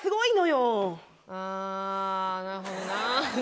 あぁなるほどな。